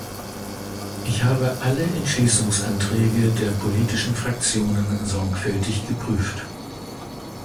Ich habe alle Entschließungsanträge der politischen Fraktionen sorgfältig geprüft.